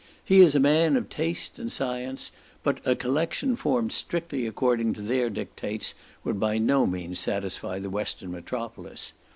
He is a man of taste and science, but a collection formed strictly according to their dictates, would by no means satisfy the western metropolis.